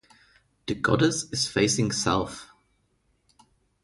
The goddess is facing south.